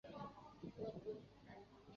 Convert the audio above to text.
瘤枝杜鹃为杜鹃花科杜鹃属下的一个种。